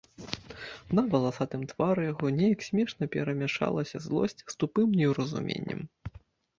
На валасатым твары яго неяк смешна перамяшалася злосць з тупым неўразуменнем.